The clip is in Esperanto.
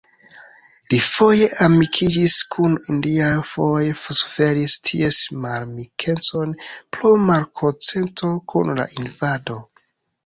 Li foje amikiĝis kun indianoj, foje suferis ties malamikecon pro malkonsento kun la invado.